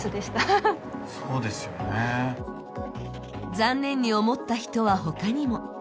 残念に思った人は他にも。